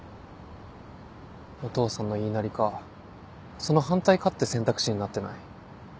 お父さんの言いなりかその反対かって選択肢になってない？